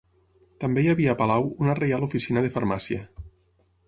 També hi havia a palau una Reial Oficina de Farmàcia.